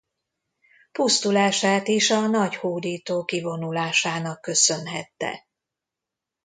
Pusztulását is a nagy hódító kivonulásának köszönhette.